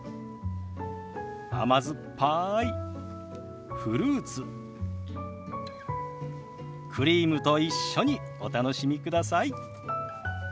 甘酸っぱいフルーツクリームと一緒にお楽しみください。